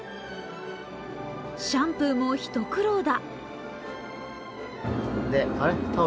シャンプーも一苦労だ。